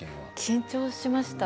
緊張しました。